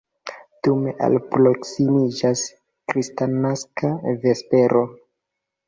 Dume alproksimiĝas kristnaska vespero.